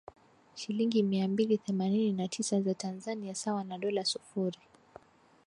shilingi mia mbili themanini na tisa za Tanzania sawa na dola sufuri